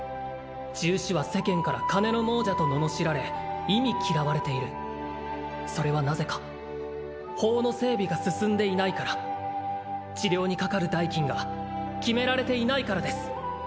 治癒士は世間から金の亡者と罵られ忌み嫌われているそれはなぜか法の整備が進んでいないから治療にかかる代金が決められていないからです